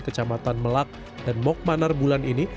kecamatan melak dan mok manar bulan ini